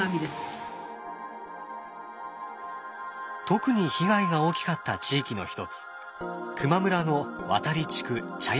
特に被害が大きかった地域の一つ球磨村の渡地区茶屋集落。